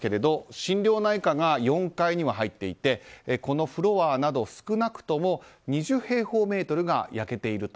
心療内科が４階に入っていてこのフロアなど少なくとも２０平方メートルが焼けていると。